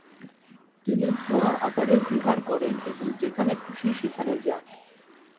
তিনি ধোঁয়ার আকারে বিহার করেন এবং যেখানে খুশি সেখানে যান।